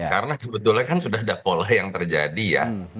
karena kebetulan kan sudah ada pola yang terjadi ya